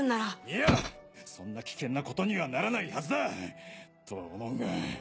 いやそんな危険なことにはならないはずだ！とは思うが。